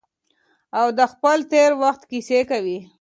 او د خپل تیر وخت کیسې کوي.